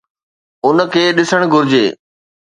ان کي ڏسڻ گهرجي.